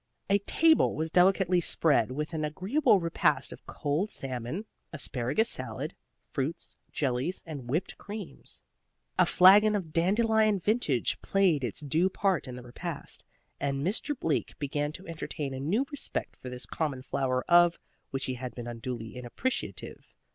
A table was delicately spread with an agreeable repast of cold salmon, asparagus salad, fruits, jellies, and whipped creams. The flagon of dandelion vintage played its due part in the repast, and Mr. Bleak began to entertain a new respect for this common flower of which he had been unduly inappreciative.